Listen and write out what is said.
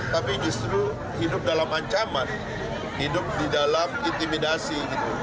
tapi justru hidup dalam ancaman hidup di dalam intimidasi